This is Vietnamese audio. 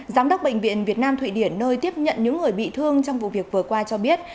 giám đốc bệnh viện việt nam thụy điển nơi tiếp nhận những người bị thương trong vụ việc vừa qua cho biết